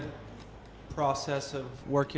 berdua berada di sekitar dua hari